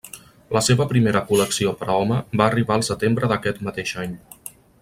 La seva primera col·lecció per a home va arribar al setembre d'aquest mateix any.